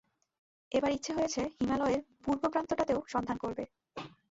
এবার ইচ্ছে হয়েছে, হিমালয়ের পূর্বপ্রান্তটাতেও সন্ধান করবে।